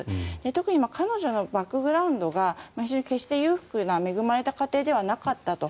特に彼女のバックグラウンドが決して裕福な恵まれた家庭ではなかったと。